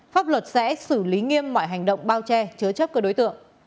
pháp luật sẽ xử lý nghiêm mọi hành động bao che chứa chấp các đối tượng